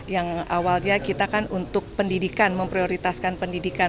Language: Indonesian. yang awalnya kita kan untuk pendidikan memprioritaskan pendidikan